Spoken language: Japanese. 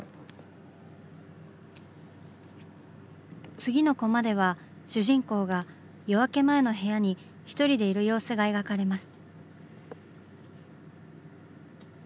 次のコマでは主人公が夜明け前の部屋に一人でいる様子が描かれます。